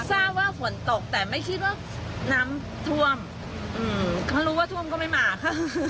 ทราบว่าฝนตกแต่ไม่คิดว่าน้ำท่วมอืมเขารู้ว่าท่วมก็ไม่มาค่ะ